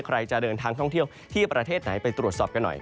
ใครจะเดินทางท่องเที่ยวที่ประเทศไหนไปตรวจสอบกันหน่อย